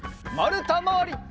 まるたまわり。